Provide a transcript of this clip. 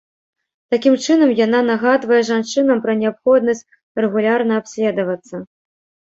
Такім чынам яна нагадвае жанчынам пра неабходнасць рэгулярна абследавацца.